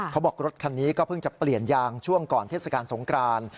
เขาบอกว่ารถคันนี้พึ่งจะเปลี่ยนยางช่วงก่อนเทศกาลสงกราน